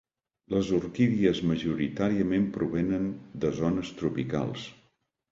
Les orquídies majoritàriament provenen de zones tropicals.